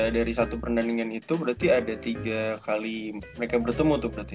dari satu pertandingan itu berarti ada tiga kali mereka bertemu tuh berarti